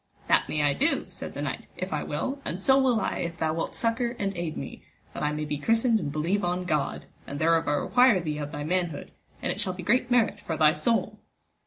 That may I do, said the knight, if I will, and so will I if thou wilt succour and aid me, that I may be christened and believe on God, and thereof I require thee of thy manhood, and it shall be great merit for thy soul.